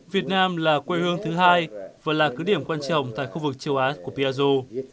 việt nam là quê hương thứ hai và là cứ điểm quan trọng tại khu vực châu á của piaggio